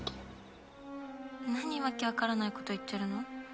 何訳わからないこと言ってるの？